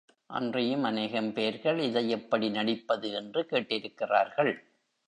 அன்றியும் அநேகம் பேர்கள் இதை எப்படி நடிப்பது என்று கேட்டிருக்கிறார்கள்.